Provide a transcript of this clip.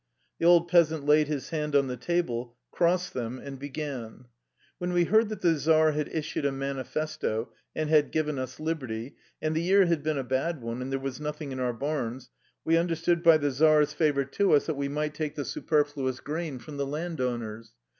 The old peasant laid his hands on the table, crossed them, and began: " When we heard that the czar had issued a manifesto and had given us liberty, — and the year had been a bad one, and there was nothing in our bams, — we understood by the czar's favor to us that we might take the superfluous 135 THE LIFE STORY OF A RUSSIAN EXILE grain from the landowners.